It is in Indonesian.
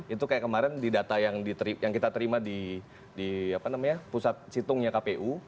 itu kayak kemarin di data yang kita terima di pusat situngnya kpu